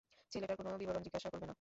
ছেলেটার কোনো বিবরণ জিজ্ঞাসা করবে না।